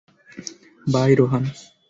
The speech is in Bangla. বাই, রোহান।